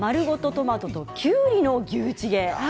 トマトときゅうりの牛チゲです。